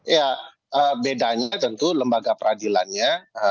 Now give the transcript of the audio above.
ya bedanya tentu lembaga peradilannya